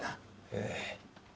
ええ。